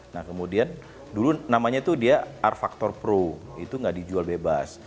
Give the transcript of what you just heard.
nah kemudian dulu namanya tuh dia r factor pro itu gak dijual bebas